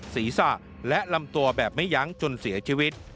ศีรษะและลำตัวแบบไม่ยั้งจนเสียชีวิต